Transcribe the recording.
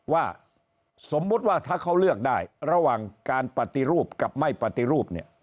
ว่าสมมุติว่าถ้าเขาเลือกได้ระหว่างการปฏิรูปกับไม่ปฏิรูป